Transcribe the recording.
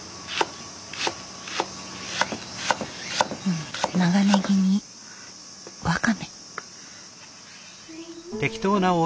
うん長ネギにワカメ。